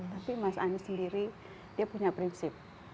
tapi mas anies sendiri dia punya prinsip